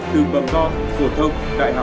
từ bầm go phổ thông đại học